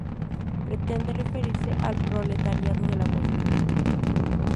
pretende referirse al proletariado de la música